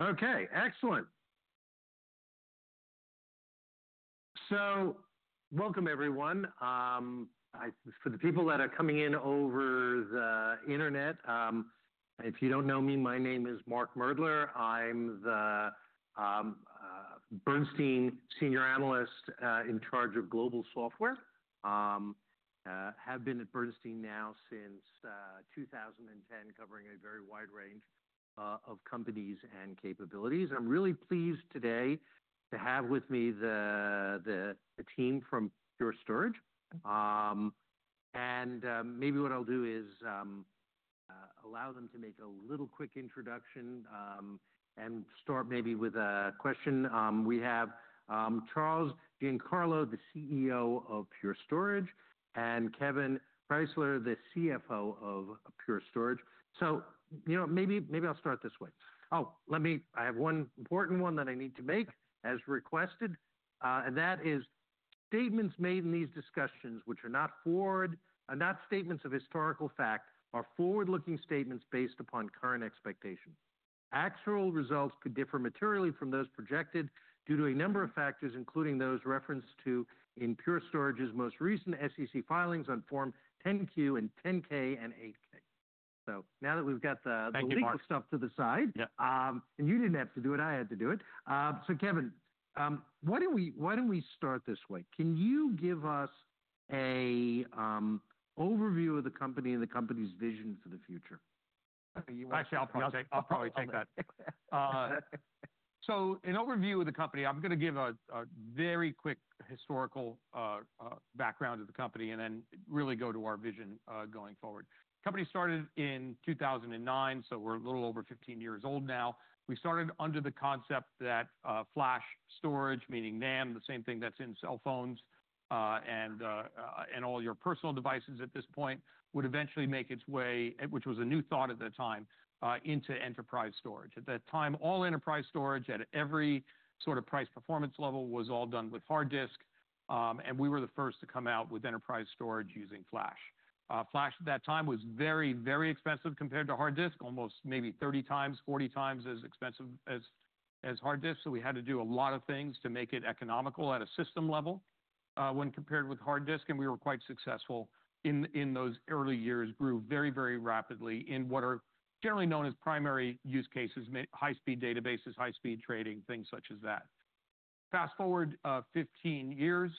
Okay, excellent, so welcome, everyone. I for the people that are coming in over the internet, if you don't know me, my name is Mark Moerdler. I'm the Bernstein Senior Analyst, in charge of global software. Have been at Bernstein now since 2010, covering a very wide range of companies and capabilities. I'm really pleased today to have with me the team from Pure Storage. And maybe what I'll do is allow them to make a little quick introduction, and start maybe with a question. We have Charles Giancarlo, the CEO of Pure Storage, and Kevan Krysler, the CFO of Pure Storage. So you know, maybe I'll start this way. Oh, let me. I have one important one that I need to make as requested, and that is statements made in these discussions, which are not statements of historical fact, are forward-looking statements based upon current expectations. Actual results could differ materially from those projected due to a number of factors, including those referenced to in Pure Storage's most recent SEC filings on Form 10-Q and 10-K and 8-K. So now that we've got the. Thank you, Mark. Mark stuff to the side. Yeah. And you didn't have to do it. I had to do it. So, Kevan, why don't we start this way? Can you give us an overview of the company and the company's vision for the future? Actually, I'll probably take that, so in overview of the company, I'm gonna give a very quick historical background of the company and then really go to our vision going forward. Company started in 2009, so we're a little over 15 years old now. We started under the concept that flash storage, meaning NAND, the same thing that's in cell phones and all your personal devices at this point, would eventually make its way, which was a new thought at the time, into enterprise storage. At that time, all enterprise storage at every sort of price performance level was all done with hard disk, and we were the first to come out with enterprise storage using flash. Flash at that time was very, very expensive compared to hard disk, almost maybe 30 times, 40 times as expensive as hard disk. So we had to do a lot of things to make it economical at a system level, when compared with hard disk. And we were quite successful in those early years, grew very, very rapidly in what are generally known as primary use cases: high-speed databases, high-speed trading, things such as that. Fast forward, 15 years,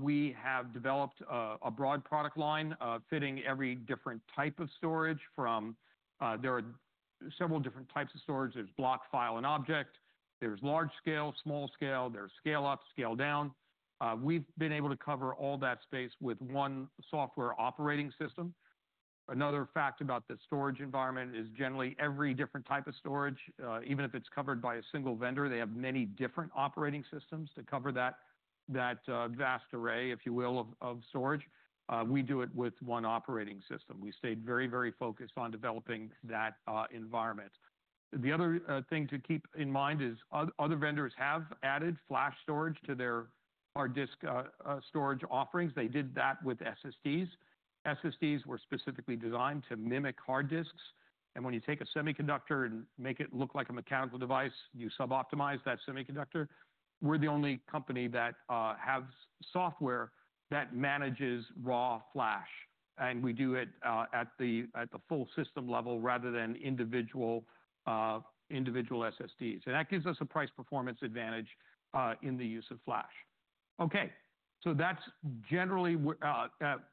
we have developed a broad product line, fitting every different type of storage from there are several different types of storage. There's block, file, and object. There's large scale, small scale. There's scale up, scale down. We've been able to cover all that space with one software operating system. Another fact about the storage environment is generally every different type of storage, even if it's covered by a single vendor, they have many different operating systems to cover that vast array, if you will, of storage. We do it with one operating system. We stayed very, very focused on developing that environment. The other thing to keep in mind is other vendors have added flash storage to their hard disk storage offerings. They did that with SSDs. SSDs were specifically designed to mimic hard disks. And when you take a semiconductor and make it look like a mechanical device, you suboptimize that semiconductor. We're the only company that has software that manages raw flash. And we do it at the full system level rather than individual SSDs. And that gives us a price performance advantage in the use of flash. Okay. So that's generally where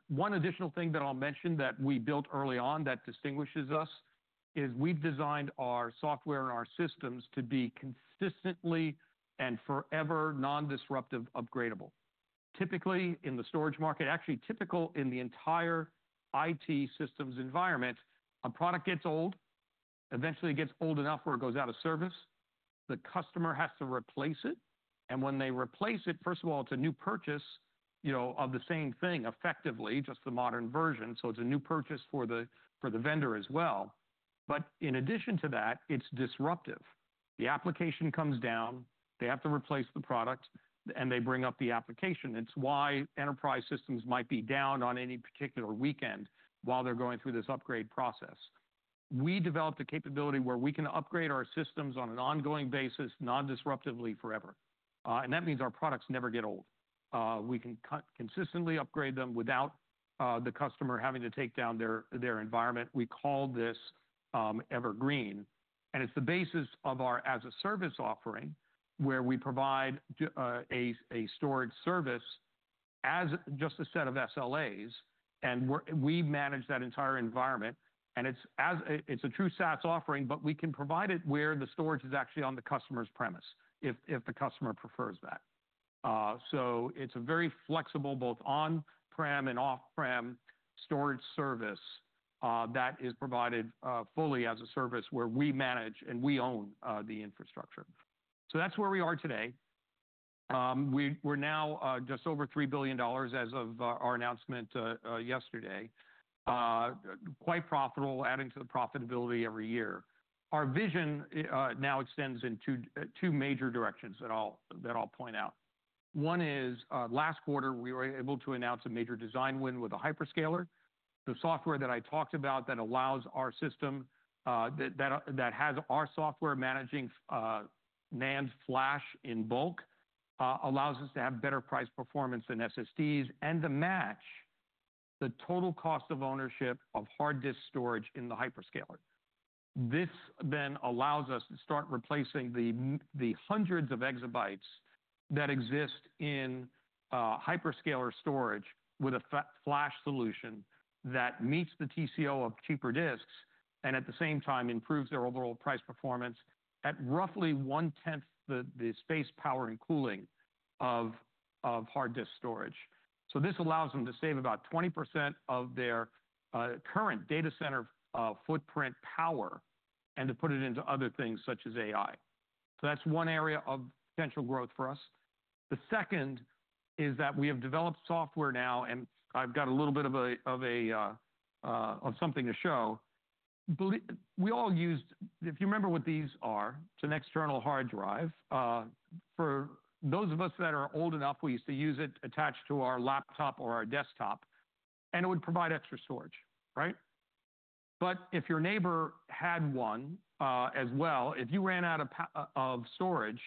one additional thing that I'll mention that we built early on that distinguishes us is we've designed our software and our systems to be consistently and forever non-disruptive upgradable. Typically in the storage market, actually typical in the entire IT systems environment, a product gets old, eventually it gets old enough where it goes out of service. The customer has to replace it. And when they replace it, first of all, it's a new purchase, you know, of the same thing effectively, just the modern version. So it's a new purchase for the vendor as well. But in addition to that, it's disruptive. The application comes down, they have to replace the product, and they bring up the application. It's why enterprise systems might be down on any particular weekend while they're going through this upgrade process. We developed a capability where we can upgrade our systems on an ongoing basis, non-disruptively forever. And that means our products never get old. We can continuously upgrade them without the customer having to take down their environment. We call this Evergreen. And it's the basis of our as-a-service offering where we provide a storage service as just a set of SLAs. And we manage that entire environment. And it's a true SaaS offering, but we can provide it where the storage is actually on the customer's premises if the customer prefers that. So it's a very flexible both on-prem and off-prem storage service that is provided fully as a service where we manage and we own the infrastructure. So that's where we are today. We're now just over $3 billion as of our announcement yesterday, quite profitable, adding to the profitability every year. Our vision now extends in two major directions that I'll point out. One is, last quarter we were able to announce a major design win with a hyperscaler. The software that I talked about that has our software managing NAND flash in bulk allows us to have better price performance than SSDs and to match the total cost of ownership of hard disk storage in the hyperscaler. This then allows us to start replacing the hundreds of exabytes that exist in hyperscaler storage with a flash solution that meets the TCO of cheaper disks and at the same time improves their overall price performance at roughly one-tenth the space, power, and cooling of hard disk storage. So this allows them to save about 20% of their current data center footprint power and to put it into other things such as AI. So that's one area of potential growth for us. The second is that we have developed software now, and I've got a little bit of something to show. Believe we all used, if you remember what these are, it's an external hard drive. For those of us that are old enough, we used to use it attached to our laptop or our desktop, and it would provide extra storage, right? But if your neighbor had one, as well, if you ran out of space of storage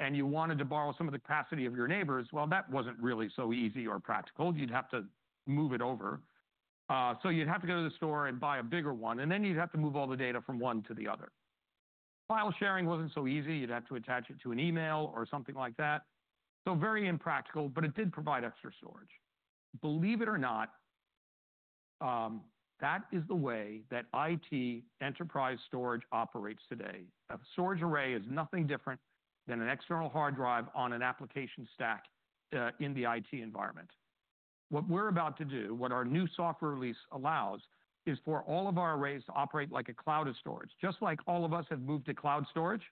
and you wanted to borrow some of the capacity of your neighbor's, well, that wasn't really so easy or practical. You'd have to move it over, so you'd have to go to the store and buy a bigger one, and then you'd have to move all the data from one to the other. File sharing wasn't so easy. You'd have to attach it to an email or something like that. So very impractical, but it did provide extra storage. Believe it or not, that is the way that IT enterprise storage operates today. A storage array is nothing different than an external hard drive on an application stack, in the IT environment. What we're about to do, what our new software release allows is for all of our arrays to operate like a cloud of storage. Just like all of us have moved to cloud storage,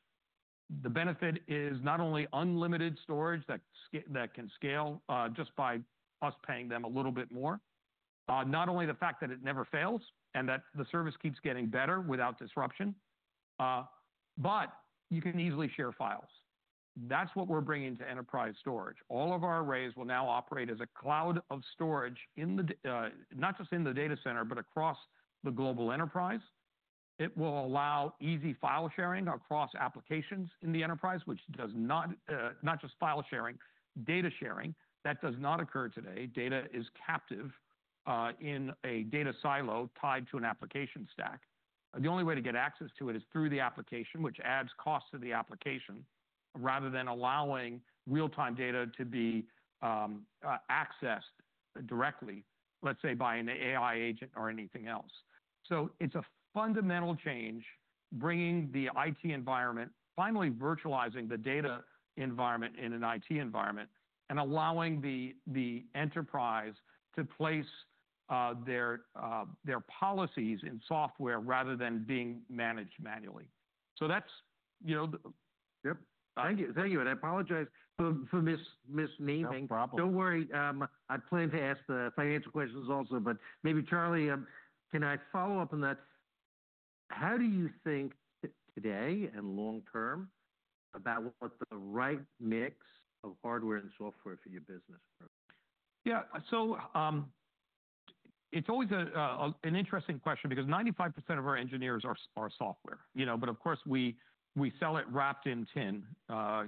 the benefit is not only unlimited storage that can scale, just by us paying them a little bit more, not only the fact that it never fails and that the service keeps getting better without disruption, but you can easily share files. That's what we're bringing to enterprise storage. All of our arrays will now operate as a cloud of storage in the not just in the data center, but across the global enterprise. It will allow easy file sharing across applications in the enterprise, which does not not just file sharing, data sharing that does not occur today. Data is captive in a data silo tied to an application stack. The only way to get access to it is through the application, which adds cost to the application rather than allowing real-time data to be accessed directly, let's say by an AI agent or anything else. So it's a fundamental change, bringing the IT environment finally virtualizing the data environment in an IT environment, and allowing the enterprise to place their policies in software rather than being managed manually. So that's, you know. Yep. Thank you. Thank you. And I apologize for misnaming. No problem. Don't worry. I plan to ask the financial questions also, but maybe, Charles, can I follow up on that? How do you think today and long-term about what the right mix of hardware and software for your business? Yeah, so it's always an interesting question because 95% of our engineers are software, you know, but of course we sell it wrapped in tin,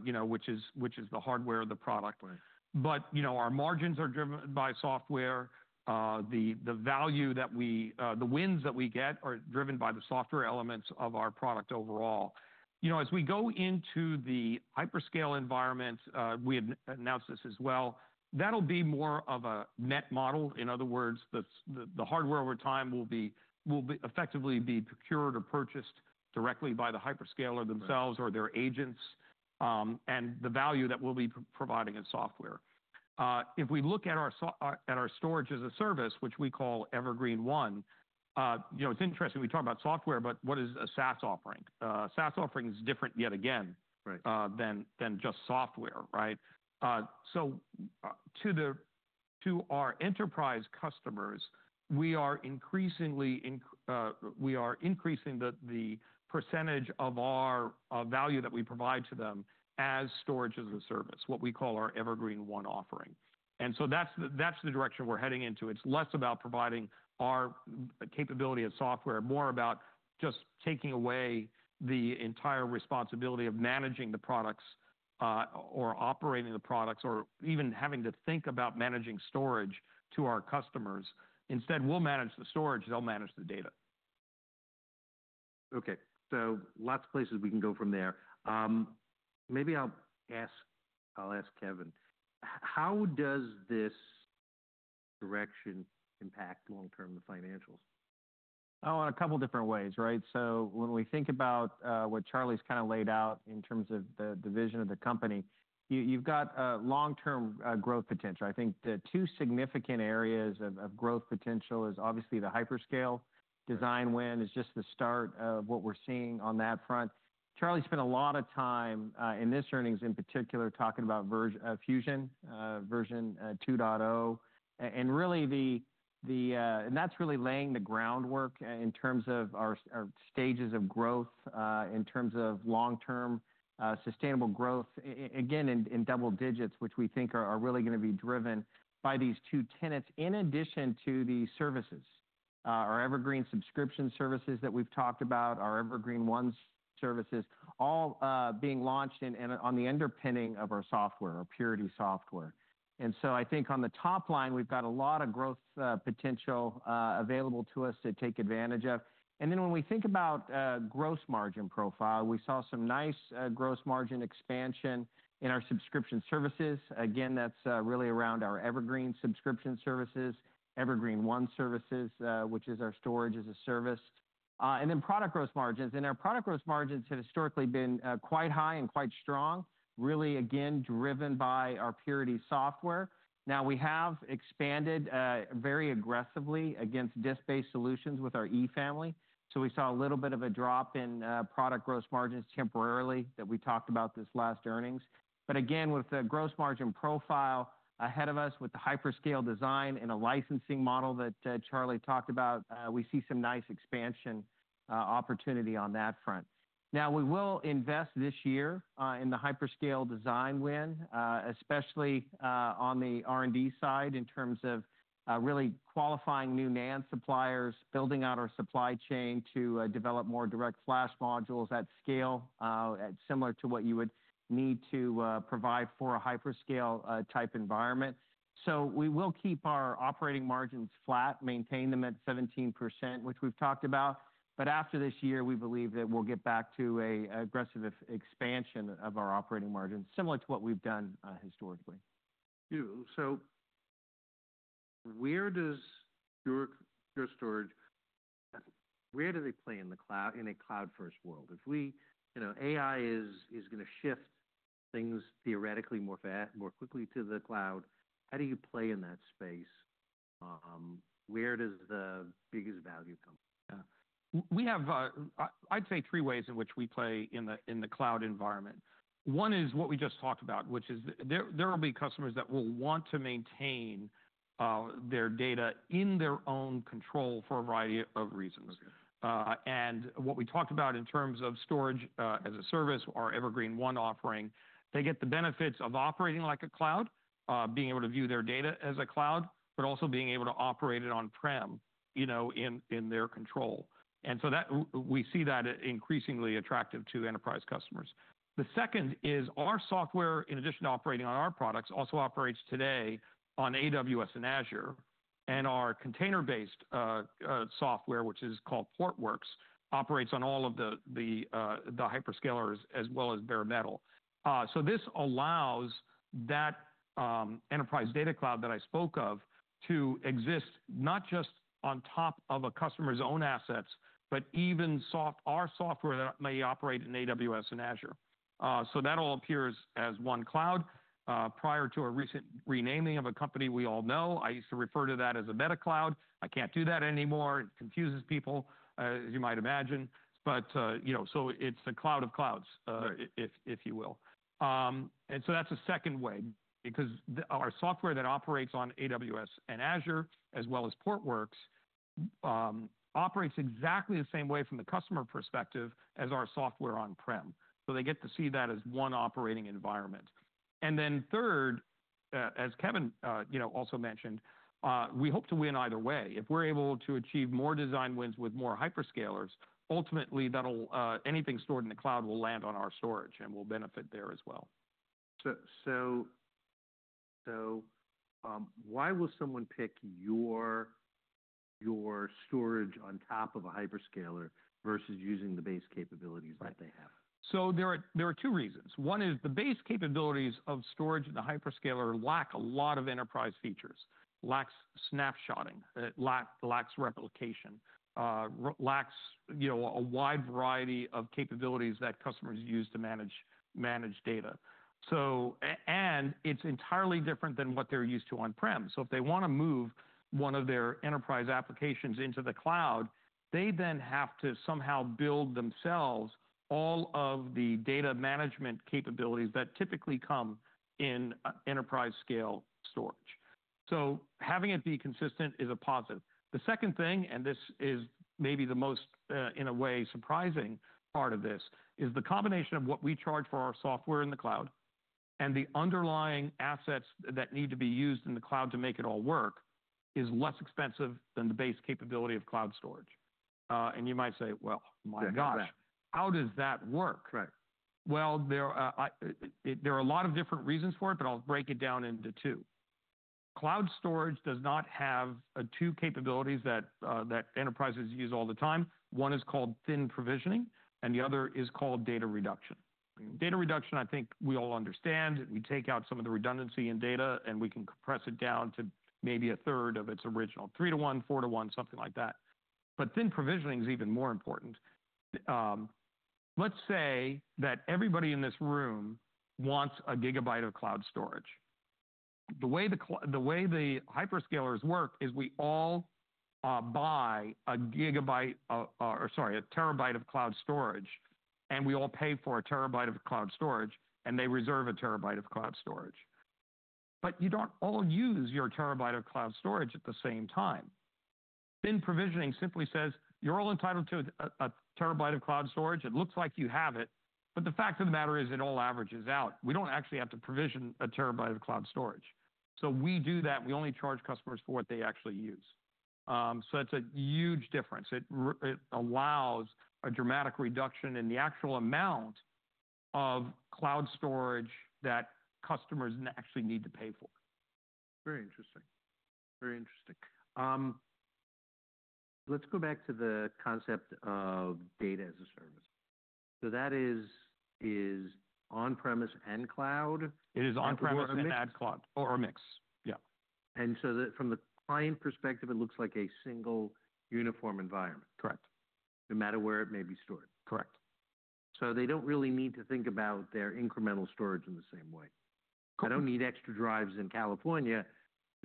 you know, which is the hardware of the product. Right. But you know, our margins are driven by software. The value that we get, the wins that we get are driven by the software elements of our product overall. You know, as we go into the hyperscale environment, we have announced this as well. That'll be more of a net model. In other words, the hardware over time will be effectively procured or purchased directly by the hyperscaler themselves or their agents, and the value that we'll be providing as software. If we look at our storage as a service, which we call Evergreen//One, you know, it's interesting. We talk about software, but what is a SaaS offering? A SaaS offering is different yet again. Right. than just software, right? So, to our enterprise customers, we are increasing the percentage of our value that we provide to them as storage as a service, what we call our Evergreen//One offering. And so that's the direction we're heading into. It's less about providing our capability of software, more about just taking away the entire responsibility of managing the products, or operating the products, or even having to think about managing storage to our customers. Instead, we'll manage the storage, they'll manage the data. Okay. So lots of places we can go from there. Maybe I'll ask, I'll ask Kevan, how does this direction impact long-term financials? Oh, in a couple different ways, right? So when we think about what Charles kind of laid out in terms of the vision of the company, you've got a long-term growth potential. I think the two significant areas of growth potential is obviously the hyperscale design win is just the start of what we're seeing on that front. Charles spent a lot of time, in this earnings in particular, talking about Pure Fusion version 2.0, and really the, and that's really laying the groundwork in terms of our stages of growth, in terms of long-term, sustainable growth, again, in double digits, which we think are really gonna be driven by these two tenets in addition to the services. Our Evergreen subscription services that we've talked about, our Evergreen//One services, all being launched in on the underpinning of our software, our Purity software. And so I think on the top line, we've got a lot of growth potential available to us to take advantage of. And then when we think about gross margin profile, we saw some nice gross margin expansion in our subscription services. Again, that's really around our Evergreen subscription services, Evergreen//One services, which is our storage as a service. And then product gross margins. And our product gross margins have historically been quite high and quite strong, really again, driven by our Purity software. Now we have expanded very aggressively against disk-based solutions with our E Family. So we saw a little bit of a drop in product gross margins temporarily that we talked about this last earnings. But again, with the gross margin profile ahead of us with the hyperscale design and a licensing model that, Charlie talked about, we see some nice expansion, opportunity on that front. Now we will invest this year, in the hyperscale design win, especially, on the R&D side in terms of, really qualifying new NAND suppliers, building out our supply chain to, develop more DirectFlash modules at scale, at similar to what you would need to, provide for a hyperscale, type environment. So we will keep our operating margins flat, maintain them at 17%, which we've talked about. But after this year, we believe that we'll get back to an aggressive expansion of our operating margins, similar to what we've done, historically. Yeah. So where does Pure, Pure Storage, where do they play in the cloud, in a cloud-first world? If we, you know, AI is gonna shift things theoretically more fair, more quickly to the cloud, how do you play in that space? Where does the biggest value come? Yeah. We have, I'd say three ways in which we play in the cloud environment. One is what we just talked about, which is there'll be customers that will want to maintain their data in their own control for a variety of reasons. Okay. and what we talked about in terms of storage as a service, our Evergreen//One offering, they get the benefits of operating like a cloud, being able to view their data as a cloud, but also being able to operate it on-prem, you know, in their control. And so that, we see that increasingly attractive to enterprise customers. The second is our software, in addition to operating on our products, also operates today on AWS and Azure. And our container-based software, which is called Portworx, operates on all of the hyperscalers as well as bare metal. So this allows that enterprise data cloud that I spoke of to exist not just on top of a customer's own assets, but even our software that may operate in AWS and Azure. So that all appears as one cloud, prior to a recent renaming of a company we all know. I used to refer to that as a meta cloud. I can't do that anymore. It confuses people, as you might imagine. But you know, so it's a cloud of clouds, if, if you will. That is a second way because our software that operates on AWS and Azure, as well as Portworx, operates exactly the same way from the customer perspective as our software on-prem. So they get to see that as one operating environment. Then third, as Kevan, you know, also mentioned, we hope to win either way. If we're able to achieve more design wins with more hyperscalers, ultimately that'll. Anything stored in the cloud will land on our storage and we'll benefit there as well. Why will someone pick your storage on top of a hyperscaler versus using the base capabilities that they have? Right. So there are two reasons. One is the base capabilities of storage at the hyperscaler lack a lot of enterprise features, lacks snapshotting, it lacks replication, lacks, you know, a wide variety of capabilities that customers use to manage data. So, and it's entirely different than what they're used to on-prem. So if they wanna move one of their enterprise applications into the cloud, they then have to somehow build themselves all of the data management capabilities that typically come in enterprise scale storage. So having it be consistent is a positive. The second thing, and this is maybe the most, in a way surprising part of this is the combination of what we charge for our software in the cloud and the underlying assets that need to be used in the cloud to make it all work is less expensive than the base capability of cloud storage. And you might say, well, my gosh, how does that work? Right. Well, there are a lot of different reasons for it, but I'll break it down into two. Cloud storage does not have two capabilities that enterprises use all the time. One is called thin provisioning, and the other is called data reduction. Data reduction, I think we all understand. We take out some of the redundancy in data and we can compress it down to maybe a third of its original, three to one, four to one, something like that. But thin provisioning is even more important. Let's say that everybody in this room wants a gigabyte of cloud storage. The way the hyperscalers work is we all buy a terabyte of cloud storage, and we all pay for a terabyte of cloud storage, and they reserve a terabyte of cloud storage. But you don't all use your terabyte of cloud storage at the same time. Thin provisioning simply says you're all entitled to a terabyte of cloud storage. It looks like you have it, but the fact of the matter is it all averages out. We don't actually have to provision a terabyte of cloud storage. So we do that. We only charge customers for what they actually use. So it's a huge difference. It allows a dramatic reduction in the actual amount of cloud storage that customers actually need to pay for. Very interesting. Very interesting. Let's go back to the concept of data as a service. So that is on-premise and cloud. It is on-premise and in cloud or a mix. Yeah. And so, from the client perspective, it looks like a single uniform environment. Correct. No matter where it may be stored. Correct. So they don't really need to think about their incremental storage in the same way. Correct. I don't need extra drives in California.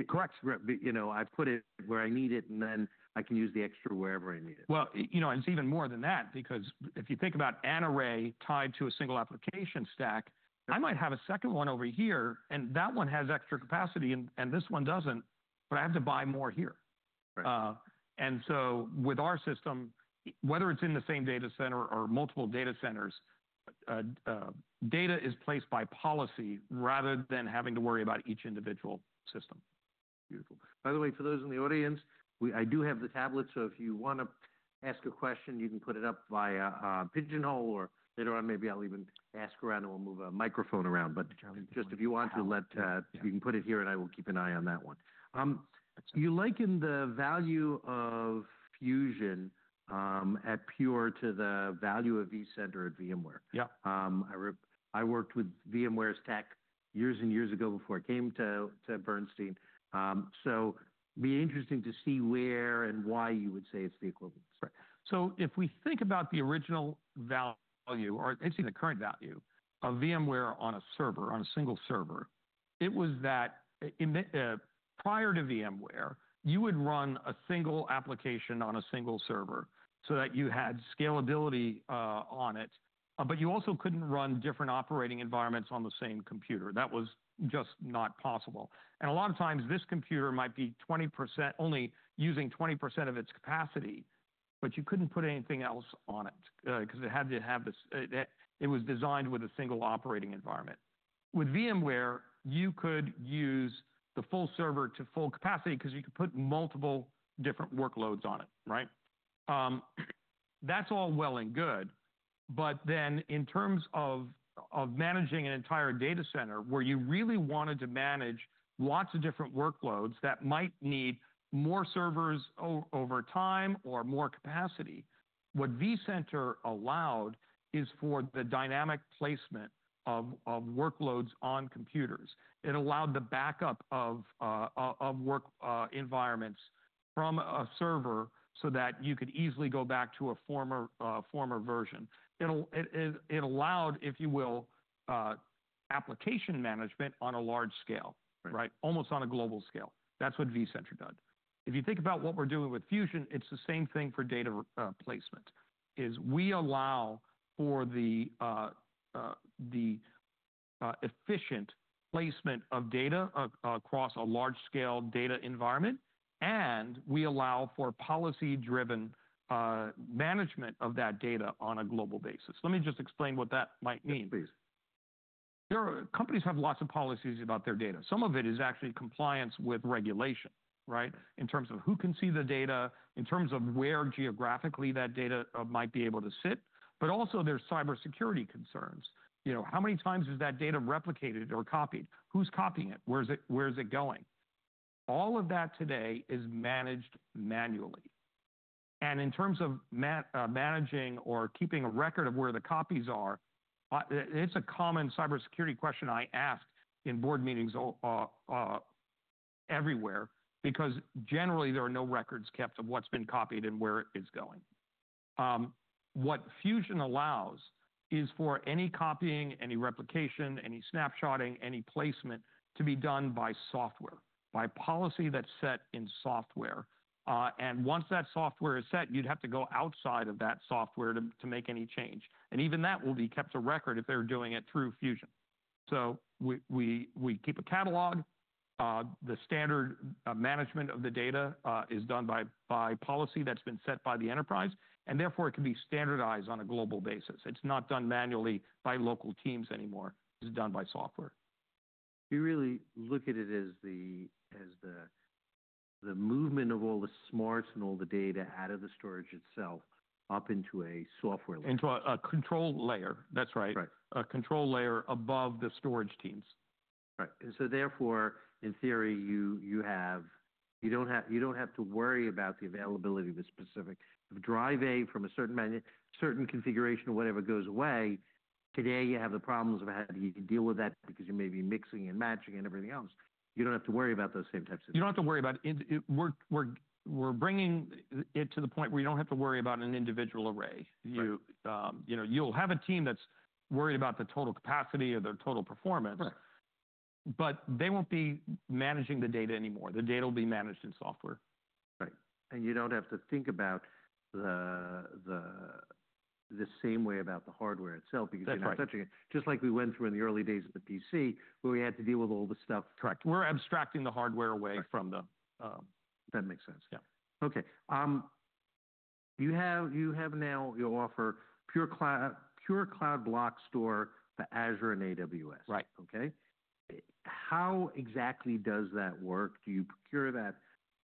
Correct. You know, I put it where I need it, and then I can use the extra wherever I need it. You know, it's even more than that because if you think about an array tied to a single application stack, I might have a second one over here, and that one has extra capacity and this one doesn't, but I have to buy more here. Right. And so with our system, whether it's in the same data center or multiple data centers, data is placed by policy rather than having to worry about each individual system. Beautiful. By the way, for those in the audience, I do have the tablet. So if you wanna ask a question, you can put it up by Pigeonhole or later on, maybe I'll even ask around and we'll move a microphone around. But just if you want to let, you can put it here and I will keep an eye on that one. You liken the value of Fusion at Pure to the value of vCenter at VMware. Yeah. I worked with VMware's tech years and years ago before I came to Bernstein, so it'd be interesting to see where and why you would say it's the equivalent. Right. So if we think about the original value or actually the current value of VMware on a server, on a single server, it was that in the prior to VMware, you would run a single application on a single server so that you had scalability on it. But you also couldn't run different operating environments on the same computer. That was just not possible, and a lot of times this computer might be 20% only using 20% of its capacity, but you couldn't put anything else on it, 'cause it had to have this, it was designed with a single operating environment. With VMware, you could use the full server to full capacity 'cause you could put multiple different workloads on it, right? That's all well and good. But then in terms of managing an entire data center where you really wanted to manage lots of different workloads that might need more servers over time or more capacity, what vCenter allowed is for the dynamic placement of workloads on computers. It allowed the backup of work environments from a server so that you could easily go back to a former version. It allowed, if you will, application management on a large scale, right? Almost on a global scale. That's what vCenter did. If you think about what we're doing with Fusion, it's the same thing for data replacement. We allow for the efficient placement of data across a large scale data environment, and we allow for policy-driven management of that data on a global basis. Let me just explain what that might mean. Please. There are companies that have lots of policies about their data. Some of it is actually compliance with regulation, right? In terms of who can see the data, in terms of where geographically that data might be able to sit. But also there's cybersecurity concerns. You know, how many times is that data replicated or copied? Who's copying it? Where's it going? All of that today is managed manually. And in terms of managing or keeping a record of where the copies are, it's a common cybersecurity question I ask in board meetings everywhere because generally there are no records kept of what's been copied and where it's going. What Fusion allows is for any copying, any replication, any snapshotting, any placement to be done by software, by policy that's set in software. And once that software is set, you'd have to go outside of that software to make any change. And even that will be kept a record if they're doing it through Fusion. So we keep a catalog. The standard management of the data is done by policy that's been set by the enterprise, and therefore it can be standardized on a global basis. It's not done manually by local teams anymore. It's done by software. You really look at it as the movement of all the smarts and all the data out of the storage itself up into a software layer. Into a control layer. That's right. Right. A control layer above the storage teams. Right. And so therefore, in theory, you have you don't have to worry about the availability of a specific drive A from a certain manufacturer, certain configuration, whatever goes away. Today you have the problems of how do you deal with that because you may be mixing and matching and everything else. You don't have to worry about those same types of things. You don't have to worry about. We're bringing it to the point where you don't have to worry about an individual array. You know, you'll have a team that's worried about the total capacity or their total performance. Right. But they won't be managing the data anymore. The data will be managed in software. Right. And you don't have to think about the same way about the hardware itself because you're not touching it. That's right. Just like we went through in the early days of the PC where we had to deal with all the stuff. Correct. We're abstracting the hardware away from the, that makes sense. Yeah. Okay. You have now, you offer Pure Cloud Block Store for Azure and AWS. Right. Okay. How exactly does that work? Do you procure that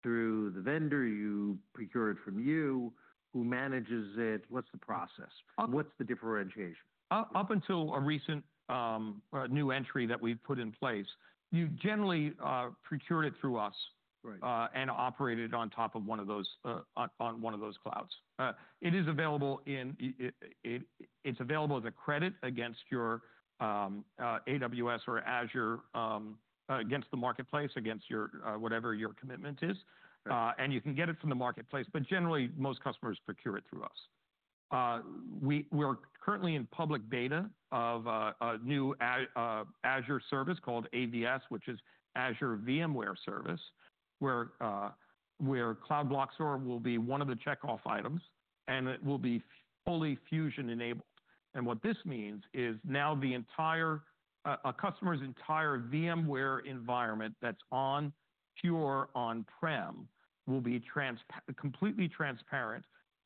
through the vendor? You procure it from you? Who manages it? What's the process? What's the differentiation? Up until a recent new entry that we've put in place, you generally procured it through us. Right. and operated on top of one of those clouds. It is available as a credit against your AWS or Azure, against the marketplace, against whatever your commitment is. Right. And you can get it from the marketplace, but generally most customers procure it through us. We're currently in public beta of a new Azure service called AVS, which is Azure VMware Service, where Cloud Block Store will be one of the checkoff items and it will be fully Fusion enabled. And what this means is now a customer's entire VMware environment that's on Pure on-prem will be completely transparent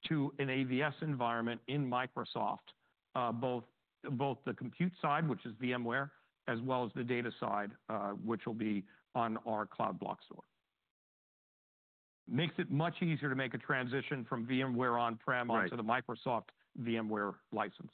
to an AVS environment in Microsoft, both the compute side, which is VMware, as well as the data side, which will be on our Cloud Block Store. Makes it much easier to make a transition from VMware on-prem. Right. Onto the Microsoft VMware license.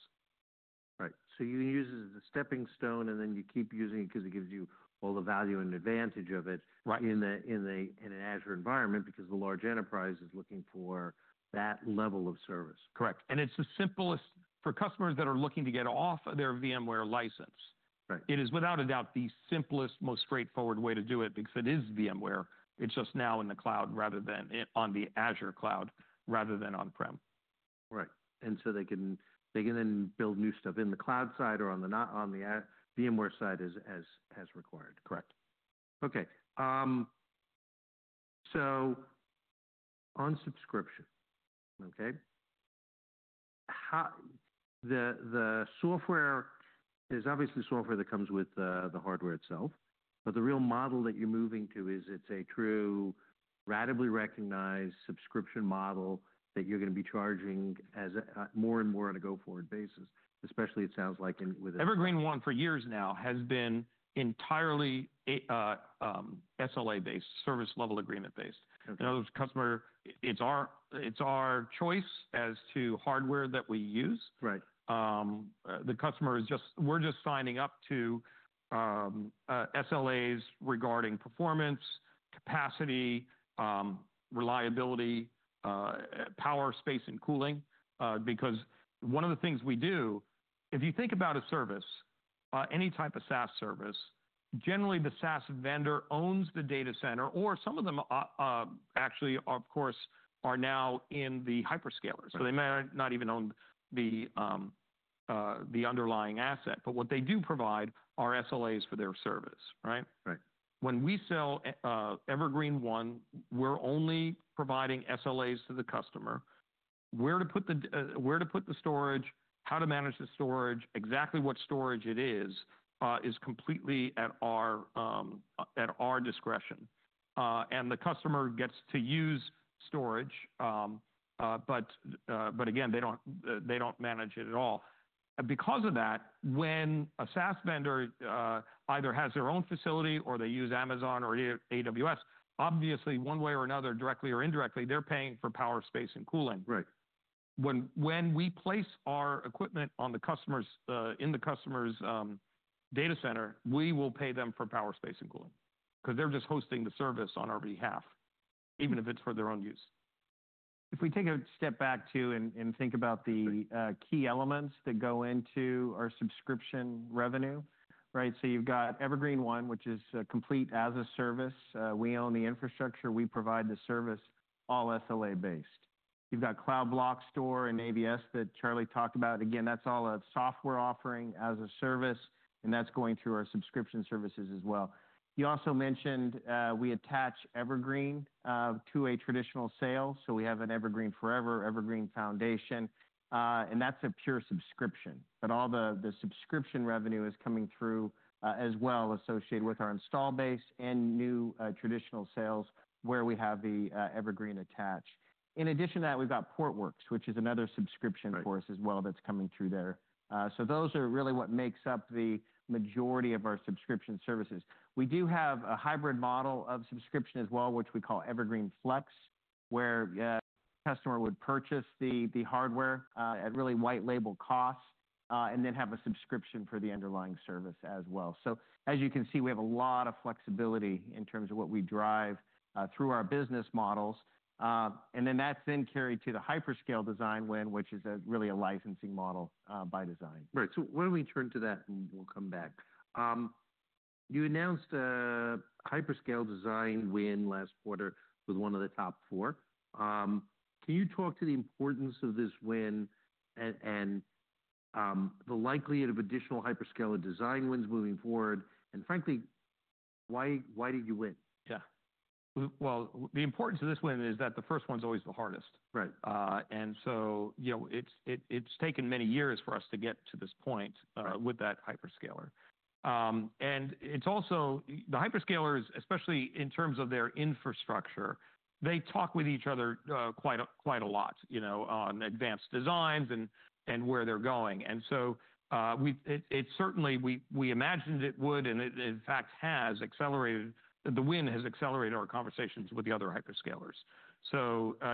Right. So you use it as a stepping stone and then you keep using it 'cause it gives you all the value and advantage of it. Right. In an Azure environment because the large enterprise is looking for that level of service. Correct. And it's the simplest for customers that are looking to get off their VMware license. Right. It is without a doubt the simplest, most straightforward way to do it because it is VMware. It's just now in the cloud rather than on the Azure cloud rather than on-prem. Right, and so they can then build new stuff in the cloud side or on the, not on the, VMware side as required. Correct. Okay, so on subscription, okay, how the software is obviously software that comes with the hardware itself, but the real model that you're moving to is it's a true ratably recognized subscription model that you're gonna be charging more and more on a go-forward basis, especially it sounds like in with. Evergreen//One for years now has been entirely SLA based, service level agreement based. Okay. You know, customer, it's our choice as to hardware that we use. Right. We're just signing up to SLAs regarding performance, capacity, reliability, power, space, and cooling because one of the things we do, if you think about a service, any type of SaaS service, generally the SaaS vendor owns the data center or some of them, actually, of course, are now in the hyperscalers, so they may not even own the underlying asset, but what they do provide are SLAs for their service, right? Right. When we sell Evergreen//One, we're only providing SLAs to the customer. Where to put the storage, how to manage the storage, exactly what storage it is, is completely at our discretion, and the customer gets to use storage, but again, they don't manage it at all, and because of that, when a SaaS vendor either has their own facility or they use Amazon or AWS, obviously one way or another, directly or indirectly, they're paying for power, space, and cooling. Right. When we place our equipment in the customer's data center, we will pay them for power, space, and cooling 'cause they're just hosting the service on our behalf, even if it's for their own use. If we take a step back to and think about the key elements that go into our subscription revenue, right? So you've got Evergreen//One, which is a complete as a service. We own the infrastructure. We provide the service all SLA based. You've got Cloud Block Store and AVS that Charlie talked about. Again, that's all a software offering as a service, and that's going through our subscription services as well. You also mentioned we attach Evergreen to a traditional sale. So we have an Evergreen//Forever, Evergreen//Foundation, and that's a pure subscription, but all the subscription revenue is coming through as well associated with our install base and new traditional sales where we have the Evergreen attached. In addition to that, we've got Portworx, which is another subscription for us as well that's coming through there. So those are really what makes up the majority of our subscription services. We do have a hybrid model of subscription as well, which we call Evergreen//Flex, where customer would purchase the hardware at really white label costs, and then have a subscription for the underlying service as well. So as you can see, we have a lot of flexibility in terms of what we drive through our business models. And then that's carried to the hyperscale design win, which is really a licensing model, by design. Right. So why don't we turn to that and we'll come back. You announced a hyperscale design win last quarter with one of the top four. Can you talk to the importance of this win and the likelihood of additional hyperscale design wins moving forward? And frankly, why did you win? Yeah, well, the importance of this win is that the first one's always the hardest. Right. And so, you know, it's taken many years for us to get to this point with that hyperscaler. It's also the hyperscalers, especially in terms of their infrastructure. They talk with each other quite a lot, you know, on advanced designs and where they're going. We certainly imagined it would and it in fact has accelerated. The win has accelerated our conversations with the other hyperscalers.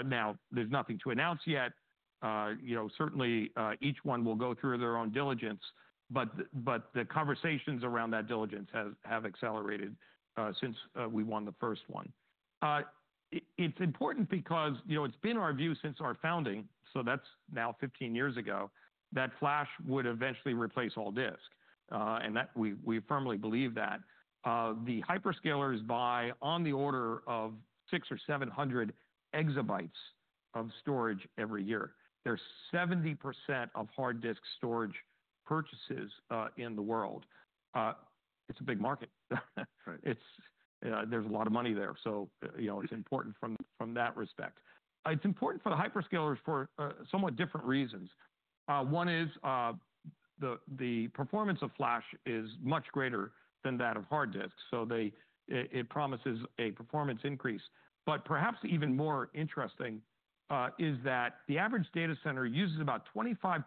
Now there's nothing to announce yet. You know, certainly, each one will go through their own diligence, but the conversations around that diligence have accelerated since we won the first one. It's important because, you know, it's been our view since our founding. That's now 15 years ago that flash would eventually replace all disk, and that we firmly believe that. The hyperscalers buy on the order of six or seven hundred exabytes of storage every year. They're 70% of hard disk storage purchases in the world. It's a big market. Right. It's, there's a lot of money there. So, you know, it's important from that respect. It's important for the hyperscalers for somewhat different reasons. One is the performance of flash is much greater than that of hard disk. So it promises a performance increase, but perhaps even more interesting is that the average data center uses about 25%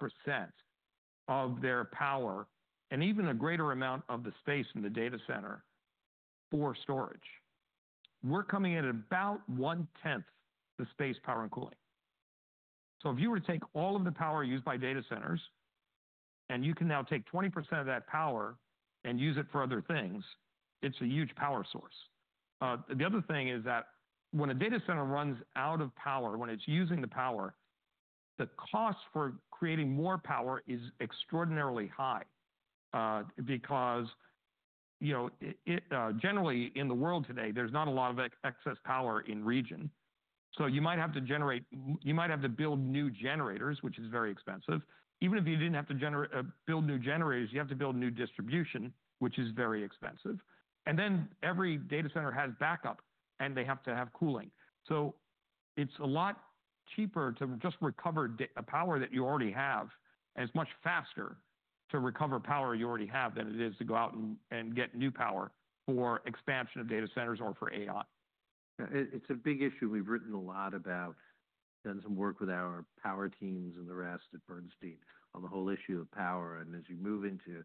of their power and even a greater amount of the space in the data center for storage. We're coming in at about one tenth the space, power, and cooling. So if you were to take all of the power used by data centers and you can now take 20% of that power and use it for other things, it's a huge power source. The other thing is that when a data center runs out of power, when it's using the power, the cost for creating more power is extraordinarily high, because, you know, it generally in the world today, there's not a lot of excess power in region. So you might have to build new generators, which is very expensive. Even if you didn't have to build new generators, you have to build new distribution, which is very expensive. And then every data center has backup and they have to have cooling. So it's a lot cheaper to just recover power that you already have, and it's much faster to recover power you already have than it is to go out and get new power for expansion of data centers or for AI. Yeah. It's a big issue. We've written a lot about, done some work with our power teams and the rest at Bernstein on the whole issue of power. And as you move into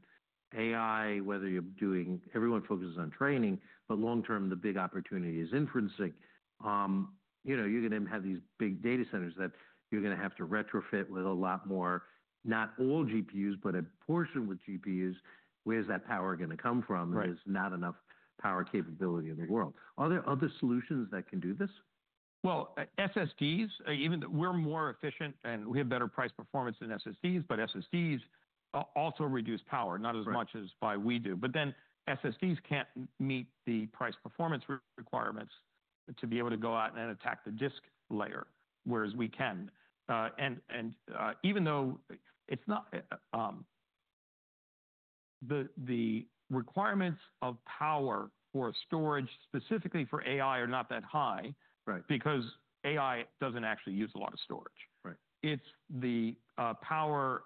AI, whether you're doing, everyone focuses on training, but long term, the big opportunity is inferencing. You know, you're gonna have these big data centers that you're gonna have to retrofit with a lot more, not all GPUs, but a portion with GPUs. Where's that power gonna come from? Right. There's not enough power capability in the world. Are there other solutions that can do this? SSDs, even we're more efficient and we have better price performance than SSDs, but SSDs also reduce power, not as much as by we do. But then SSDs can't meet the price performance requirements to be able to go out and attack the disk layer, whereas we can. Even though it's not, the requirements of power for storage specifically for AI are not that high. Right. Because AI doesn't actually use a lot of storage. Right. It's the power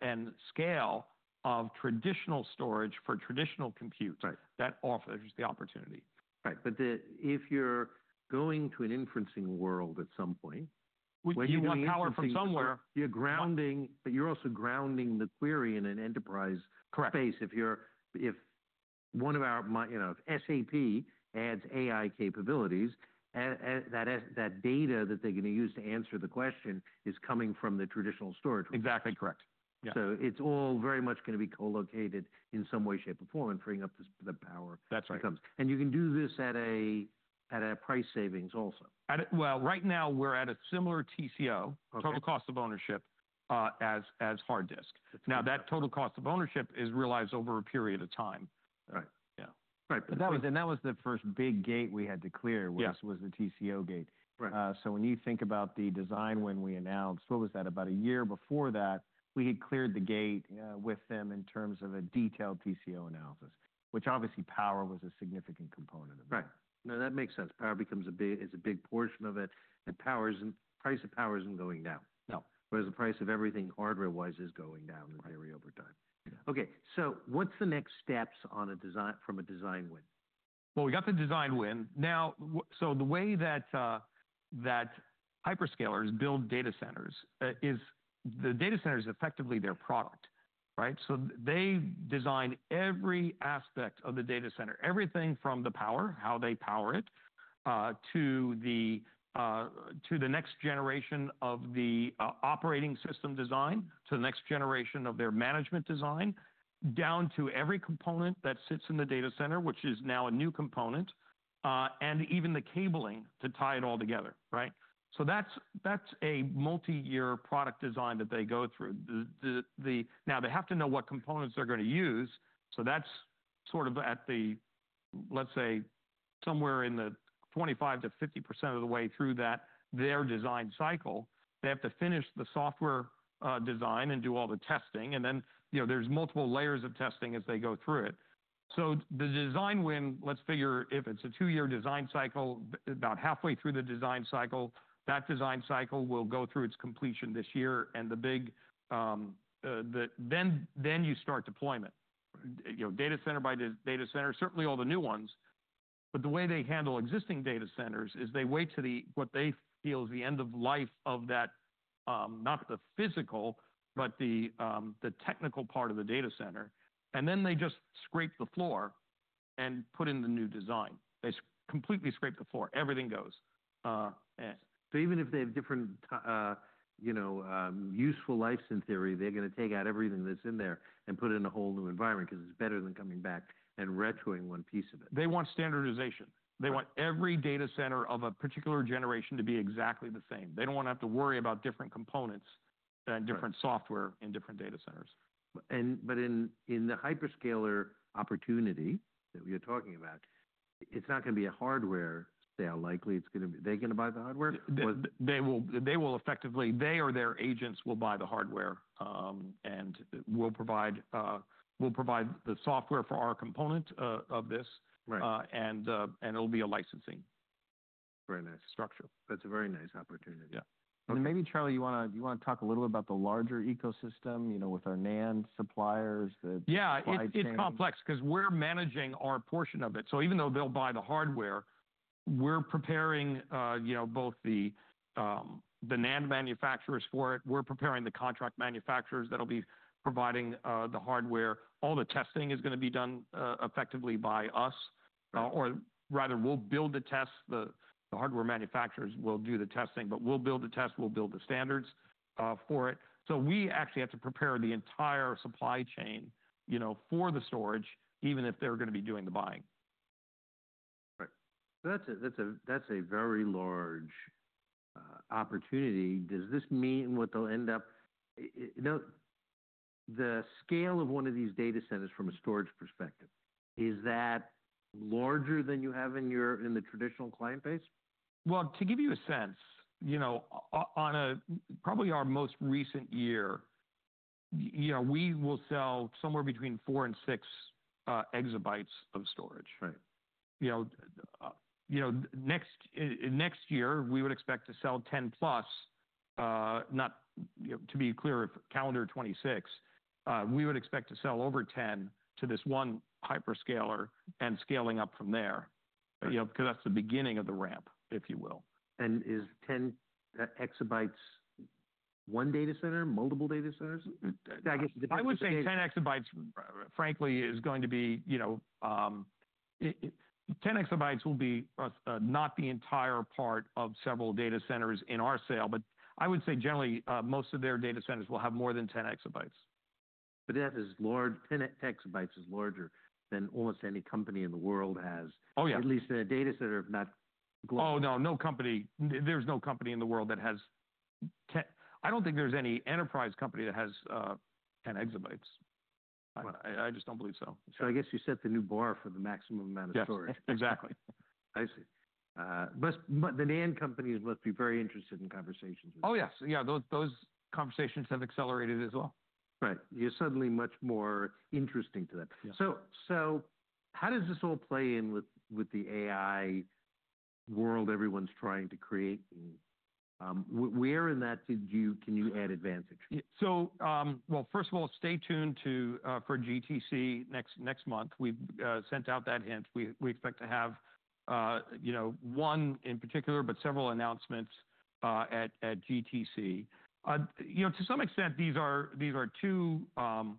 and scale of traditional storage for traditional compute. Right. That offers the opportunity. Right. But if you're going to an inferencing world at some point. When you want power from somewhere. You're grounding, but you're also grounding the query in an enterprise. Correct. You know, if SAP adds AI capabilities, and that data that they're gonna use to answer the question is coming from the traditional storage. Exactly correct. Yeah. It's all very much gonna be co-located in some way, shape, or form and freeing up the power. That's right. That comes. And you can do this at a price savings also. At a, well, right now we're at a similar TCO, total cost of ownership, as hard disk. Now that total cost of ownership is realized over a period of time. Right. Yeah. Right. But that was the first big gate we had to clear. Yes. Was the TCO gate. Right. So when you think about the design, when we announced—what was that, about a year before that?—we had cleared the gate with them in terms of a detailed TCO analysis, which, obviously, power was a significant component of that. Right. No, that makes sense. Power is a big portion of it. Price of power isn't going down. No. Whereas the price of everything hardware-wise is going down. Right. Very over time. Okay. So what's the next steps on a design, from a design win? We got the design win. Now, so the way that hyperscalers build data centers is the data center is effectively their product, right? So they design every aspect of the data center, everything from the power, how they power it, to the next generation of the operating system design, to the next generation of their management design, down to every component that sits in the data center, which is now a new component, and even the cabling to tie it all together, right? So that's a multi-year product design that they go through. Now they have to know what components they're gonna use. So that's sort of at the, let's say, somewhere in the 25%-50% of the way through that, their design cycle, they have to finish the software design and do all the testing. Then, you know, there's multiple layers of testing as they go through it. The design win, let's figure if it's a two-year design cycle, about halfway through the design cycle, that design cycle will go through its completion this year. The big, then you start deployment, you know, data center by data center, certainly all the new ones. The way they handle existing data centers is they wait to the, what they feel is the end of life of that, not the physical, but the technical part of the data center. Then they just scrape the floor and put in the new design. They completely scrape the floor. Everything goes, and. So even if they have different, you know, useful life in theory, they're gonna take out everything that's in there and put it in a whole new environment 'cause it's better than coming back and retroing one piece of it. They want standardization. They want every data center of a particular generation to be exactly the same. They don't wanna have to worry about different components and different software in different data centers. In the hyperscaler opportunity that we are talking about, it's not gonna be a hardware sale. Likely they gonna buy the hardware? They will effectively, they or their agents will buy the hardware, and will provide the software for our component of this. Right. and it'll be a licensing. Very nice. Structure. That's a very nice opportunity. Yeah. Maybe Charlie, you wanna talk a little about the larger ecosystem, you know, with our NAND suppliers, the supply chain? Yeah. It's complex 'cause we're managing our portion of it. So even though they'll buy the hardware, we're preparing, you know, both the NAND manufacturers for it. We're preparing the contract manufacturers that'll be providing the hardware. All the testing is gonna be done effectively by us, or rather we'll build the tests. The hardware manufacturers will do the testing, but we'll build the tests, we'll build the standards for it. So we actually have to prepare the entire supply chain, you know, for the storage, even if they're gonna be doing the buying. Right. That's a very large opportunity. Does this mean what they'll end up, you know, the scale of one of these data centers from a storage perspective, is that larger than you have in your traditional client base? Well, to give you a sense, you know, on a, probably our most recent year, you know, we will sell somewhere between four and six exabytes of storage. Right. You know, next year we would expect to sell 10 plus. You know, to be clear, if calendar 2026, we would expect to sell over 10 to this one hyperscaler and scaling up from there, you know, 'cause that's the beginning of the ramp, if you will. Is 10 EB one data center, multiple data centers? I guess it depends. I would say 10 EB, frankly, is going to be, you know, 10 EB will be, not the entire part of several data centers in our sale, but I would say generally, most of their data centers will have more than 10 EB. But that is large, 10 EB is larger than almost any company in the world has. Oh yeah. At least in a data center, if not global. Oh no, no company, there's no company in the world that has 10. I don't think there's any enterprise company that has 10 EB. I, I just don't believe so. I guess you set the new bar for the maximum amount of storage. Yes, exactly. I see. Yes, but the NAND companies must be very interested in conversations with you. Oh yes. Yeah. Those conversations have accelerated as well. Right. You're suddenly much more interesting to them. Yeah. How does this all play in with the AI world everyone's trying to create? We are in that. Can you add advantage? First of all, stay tuned for GTC next month. We've sent out that hint. We expect to have, you know, one in particular, but several announcements at GTC. You know, to some extent, these are two phenomena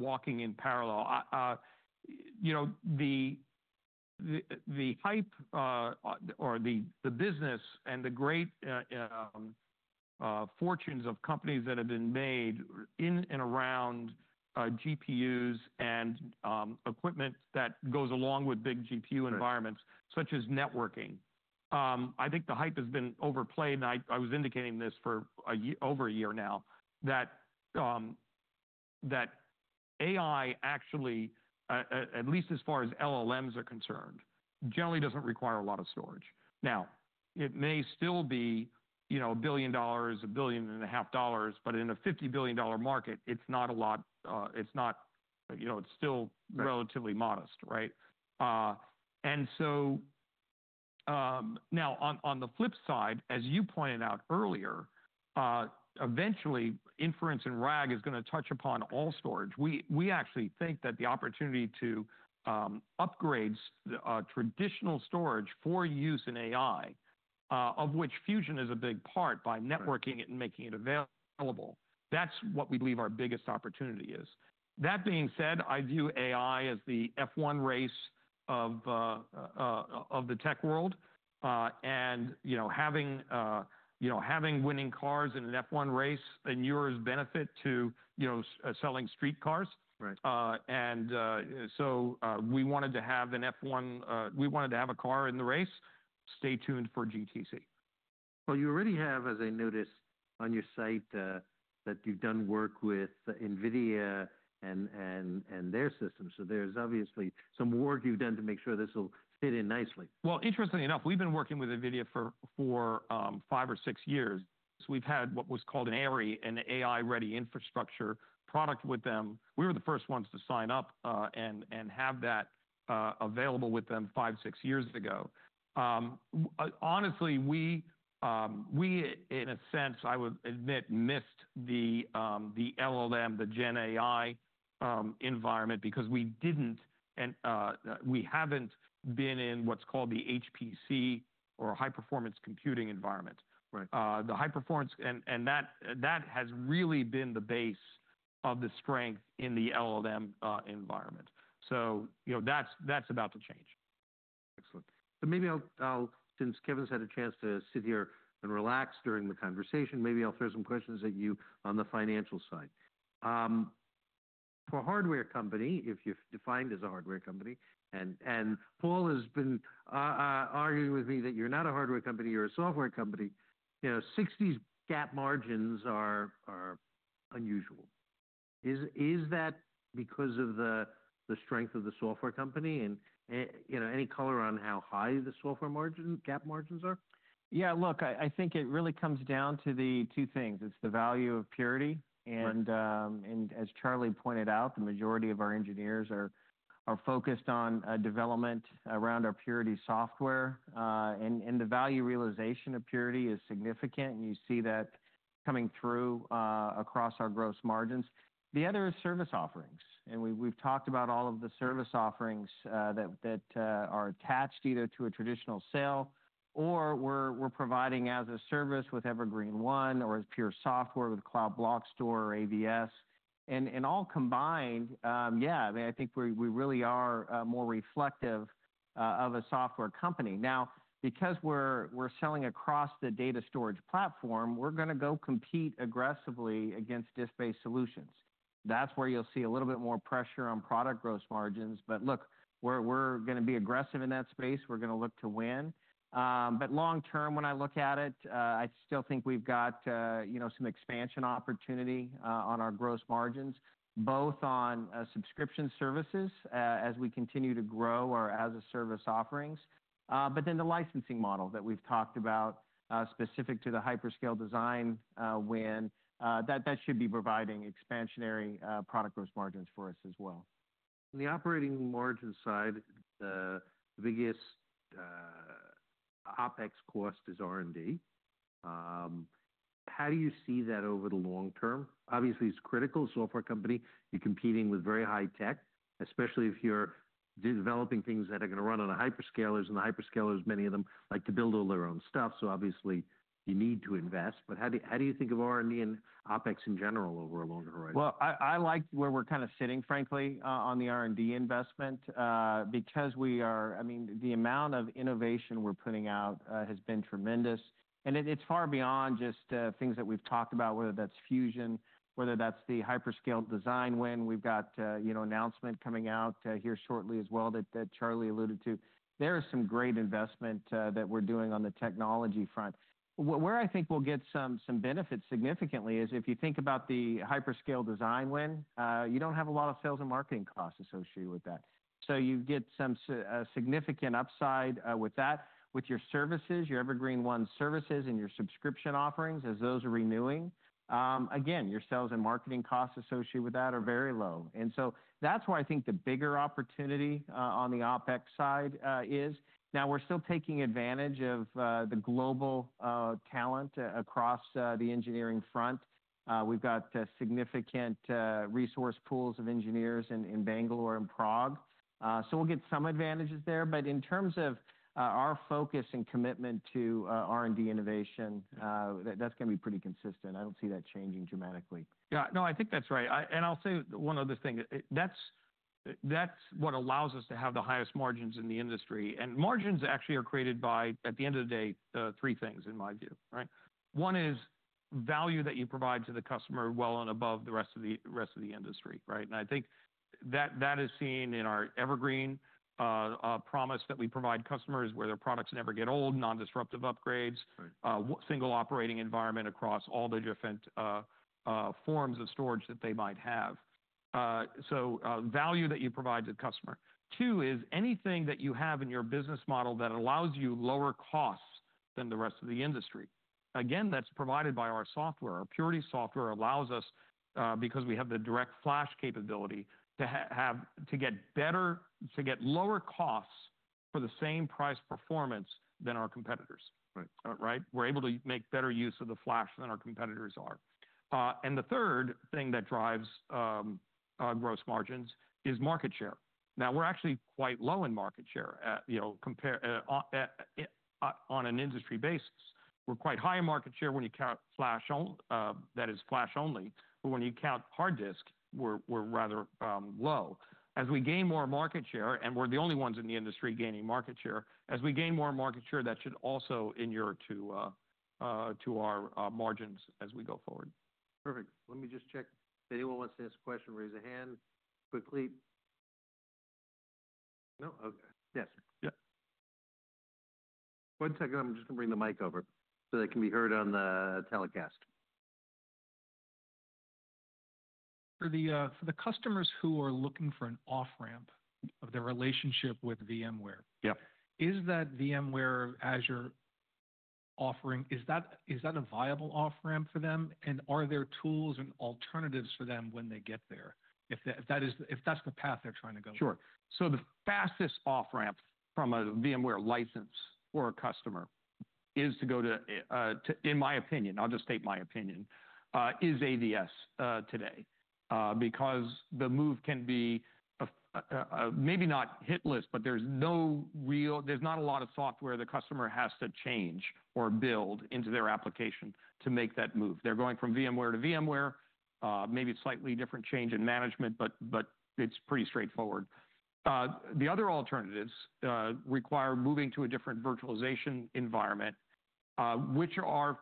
walking in parallel. You know, the hype or the business and the great fortunes of companies that have been made in and around GPUs and equipment that goes along with big GPU environments such as networking. I think the hype has been overplayed. And I was indicating this for a over a year now, that AI actually, at least as far as LLMs are concerned, generally doesn't require a lot of storage. Now, it may still be, you know, $1 billion, $1.5 billion, but in a $50 billion market, it's not a lot, it's not, you know, it's still relatively modest, right? And so, now on the flip side, as you pointed out earlier, eventually inference and RAG is gonna touch upon all storage. We actually think that the opportunity to upgrade a traditional storage for use in AI, of which Fusion is a big part by networking it and making it available, that's what we believe our biggest opportunity is. That being said, I view AI as the F1 race of the tech world. And, you know, having, you know, winning cars in an F1 race and your benefit to, you know, selling street cars. Right. So, we wanted to have an F1. We wanted to have a car in the race. Stay tuned for GTC. You already have, as I noticed on your site, that you've done work with NVIDIA and their systems. There's obviously some work you've done to make sure this'll fit in nicely. Interestingly enough, we've been working with NVIDIA for five or six years. We've had what was called an AIRI, an AI ready infrastructure product with them. We were the first ones to sign up and have that available with them five or six years ago. Honestly, we in a sense, I would admit, missed the LLM, the GenAI, environment because we didn't and we haven't been in what's called the HPC or high performance computing environment. Right. The high performance and that has really been the base of the strength in the LLM environment, so you know, that's about to change. Excellent. So maybe I'll, since Kevan's had a chance to sit here and relax during the conversation, maybe I'll throw some questions at you on the financial side. For a hardware company, if you're defined as a hardware company, and Paul has been arguing with me that you're not a hardware company, you're a software company, you know, 60% gross margins are unusual. Is that because of the strength of the software company and, you know, any color on how high the software gross margins are? Yeah. Look, I think it really comes down to the two things. It's the value of Purity. Right. As Charles pointed out, the majority of our engineers are focused on development around our Purity software. The value realization of Purity is significant, and you see that coming through across our gross margins. The other is service offerings. We’ve talked about all of the service offerings that are attached either to a traditional sale or we’re providing as a service with Evergreen//One or as Pure Software with Cloud Block Store or AVS. All combined, yeah, I mean, I think we really are more reflective of a software company. Now, because we’re selling across the data storage platform, we’re gonna go compete aggressively against disk-based solutions. That’s where you’ll see a little bit more pressure on product gross margins. But look, we’re gonna be aggressive in that space. We’re gonna look to win. But long term, when I look at it, I still think we've got, you know, some expansion opportunity on our gross margins, both on subscription services, as we continue to grow our as a service offerings. But then the licensing model that we've talked about, specific to the hyperscale design win, that should be providing expansionary product gross margins for us as well. On the operating margin side, the biggest OpEx cost is R&D. How do you see that over the long term? Obviously, it's critical. Software company, you're competing with very high tech, especially if you're developing things that are gonna run on the hyperscalers. And the hyperscalers, many of them like to build all their own stuff. So obviously you need to invest. But how do you think of R&D and OpEx in general over a longer horizon? I like where we're kind of sitting, frankly, on the R&D investment, because we are, I mean, the amount of innovation we're putting out has been tremendous. And it, it's far beyond just things that we've talked about, whether that's Fusion, whether that's the hyperscale design win. We've got, you know, announcement coming out here shortly as well that Charles alluded to. There are some great investment that we're doing on the technology front. Where I think we'll get some benefits significantly is if you think about the hyperscale design win, you don't have a lot of sales and marketing costs associated with that. So you get some significant upside with that, with your services, your Evergreen//One services and your subscription offerings as those are renewing again, your sales and marketing costs associated with that are very low. And so that's why I think the bigger opportunity on the OpEx side is. Now we're still taking advantage of the global talent across the engineering front. We've got significant resource pools of engineers in Bangalore and Prague. So we'll get some advantages there. But in terms of our focus and commitment to R&D innovation, that's gonna be pretty consistent. I don't see that changing dramatically. Yeah. No, I think that's right. I, and I'll say one other thing. That's, that's what allows us to have the highest margins in the industry. And margins actually are created by, at the end of the day, three things in my view, right? One is value that you provide to the customer well and above the rest of the, rest of the industry, right? And I think that, that is seen in our Evergreen promise that we provide customers where their products never get old, non-disruptive upgrades. Right. Single operating environment across all the different forms of storage that they might have. So, value that you provide to the customer. Two is anything that you have in your business model that allows you lower costs than the rest of the industry. Again, that's provided by our software. Our Purity software allows us, because we have the DirectFlash capability to get lower costs for the same price performance than our competitors. Right. Right? We're able to make better use of the flash than our competitors are. And the third thing that drives gross margins is market share. Now we're actually quite low in market share at, you know, compared on an industry basis. We're quite high in market share when you count flash only, that is flash only. But when you count hard disk, we're rather low. As we gain more market share and we're the only ones in the industry gaining market share, as we gain more market share, that should also inure to our margins as we go forward. Perfect. Let me just check. If anyone wants to ask a question, raise a hand quickly. No? Okay. Yes. Yeah. One second. I'm just gonna bring the mic over so they can be heard on the telecast. For the customers who are looking for an off ramp of their relationship with VMware. Yep. Is that VMware Azure offering a viable off ramp for them? And are there tools and alternatives for them when they get there? If that's the path they're trying to go? Sure. So the fastest off ramp from a VMware license for a customer is to go to, in my opinion, I'll just state my opinion, is AVS today, because the move can be a maybe not huge lift, but there's no real, there's not a lot of software the customer has to change or build into their application to make that move. They're going from VMware to VMware, maybe slightly different change in management, but it's pretty straightforward. The other alternatives require moving to a different virtualization environment, which,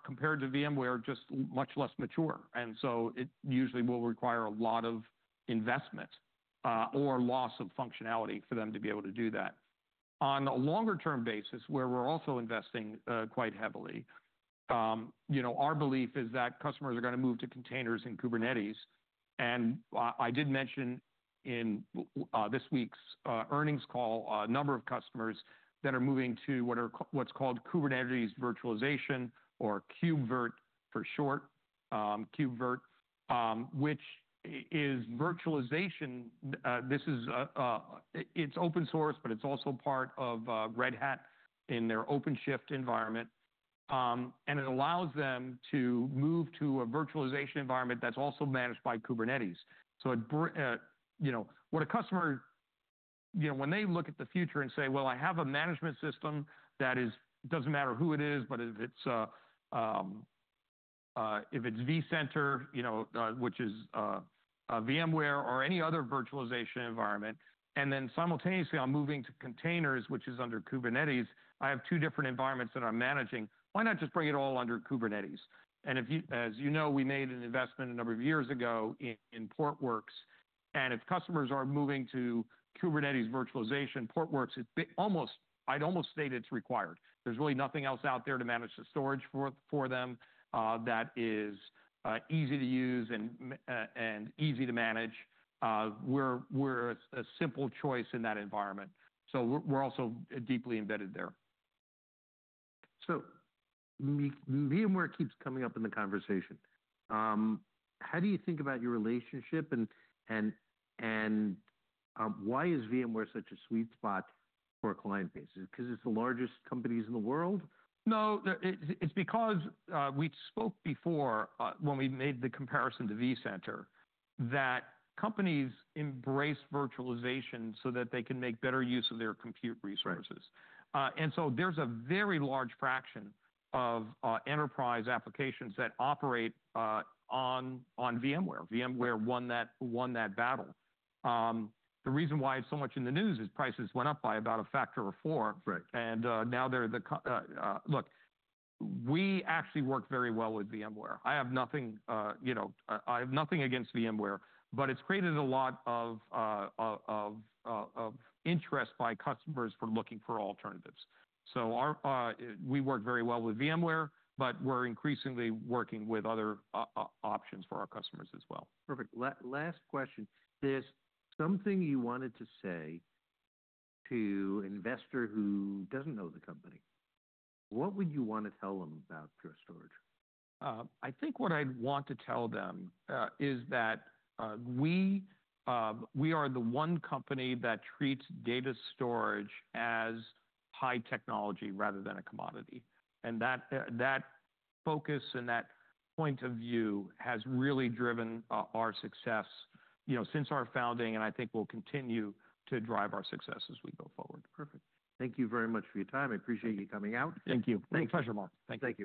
compared to VMware, are just much less mature. And so it usually will require a lot of investment, or loss of functionality for them to be able to do that. On a longer term basis, where we're also investing quite heavily, you know, our belief is that customers are gonna move to containers and Kubernetes. I did mention in this week's earnings call a number of customers that are moving to what's called Kubernetes virtualization or KubeVirt for short, KubeVirt, which is virtualization. This is. It's open source, but it's also part of Red Hat in their OpenShift environment. And it allows them to move to a virtualization environment that's also managed by Kubernetes. So, you know, what a customer, you know, when they look at the future and say, well, I have a management system that is. Doesn't matter who it is, but if it's vCenter, you know, which is VMware or any other virtualization environment, and then simultaneously I'm moving to containers, which is under Kubernetes, I have two different environments that I'm managing. Why not just bring it all under Kubernetes? As you know, we made an investment a number of years ago in Portworx. If customers are moving to Kubernetes virtualization, Portworx is almost, I'd almost state it's required. There's really nothing else out there to manage the storage for them, that is, easy to use and easy to manage. We're a simple choice in that environment. So we're also deeply embedded there. So VMware keeps coming up in the conversation. How do you think about your relationship and why is VMware such a sweet spot for a client base? Is it 'cause it's the largest companies in the world? No, it's because we spoke before, when we made the comparison to vCenter, that companies embrace virtualization so that they can make better use of their compute resources. Right. And so there's a very large fraction of enterprise applications that operate on on VMware. VMware won that, won that battle. The reason why it's so much in the news is prices went up by about a factor of four. Right. Now they're the, look, we actually work very well with VMware. I have nothing, you know, I have nothing against VMware, but it's created a lot of interest by customers for looking for alternatives. So we work very well with VMware, but we're increasingly working with other options for our customers as well. Perfect. Last question. There's something you wanted to say to an investor who doesn't know the company. What would you wanna tell them about Pure Storage? I think what I'd want to tell them is that we are the one company that treats data storage as high technology rather than a commodity, and that focus and that point of view has really driven our success, you know, since our founding, and I think we'll continue to drive our success as we go forward. Perfect. Thank you very much for your time. I appreciate you coming out. Thank you. Thanks. Pleasure, Mark. Thank you.